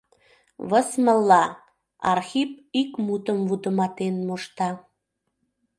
«Высмылла!» — Архип ик мутым вудыматен мошта.